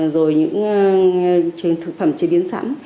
rồi những thực phẩm chế biến sẵn